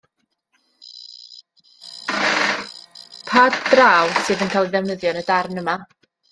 Pa draw sydd yn cael ei ddefnyddio yn y darn yma?